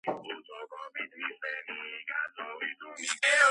სამრეკლოს ქვის პირამიდული სახურავი აქვს.